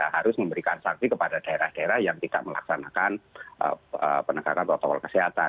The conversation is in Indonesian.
harus memberikan sanksi kepada daerah daerah yang tidak melaksanakan penegakan protokol kesehatan